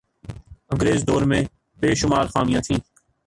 انگریز دور میں بے شمار خامیاں تھیں